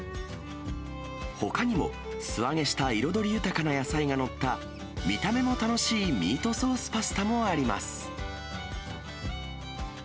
ほかにも、素揚げした彩り豊かな野菜が載った、見た目も楽しいミートソースパスタもあります。